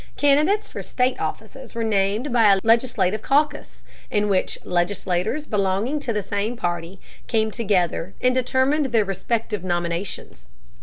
Candidates for state offices were named by a legislative caucus, in which legislators belonging to the same party came together and determined their respective nominations.